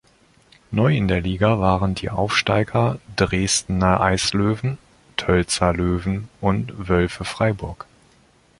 Neu in der Liga waren die Aufsteiger Dresdner Eislöwen, Tölzer Löwen und Wölfe Freiburg.